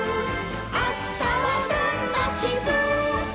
「あしたはどんなきぶんかな」